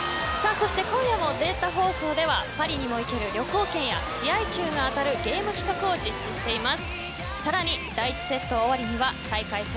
今夜もデータ放送ではパリにも行ける旅行券や試合球が当たるゲーム企画を実施しています。